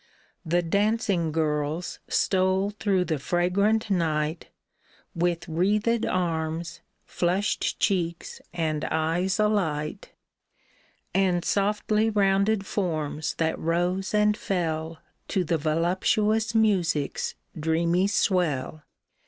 The dancing girls stole through the fragrant night With wreathed arms, flushed cheeks and eyes alight, And softly rounded forms that rose and fell To the voluptuous music's dreamy swell.